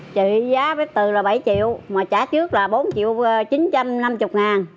chị giá bếp từ là bảy triệu mà trả trước là bốn triệu chín trăm năm mươi ngàn